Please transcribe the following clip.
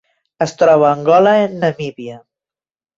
Es troba a Angola i Namíbia.